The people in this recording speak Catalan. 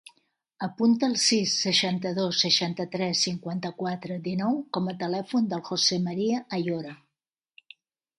Apunta el sis, seixanta-dos, seixanta-tres, cinquanta-quatre, dinou com a telèfon del José maria Ayora.